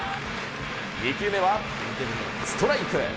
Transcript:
２球目はストライク。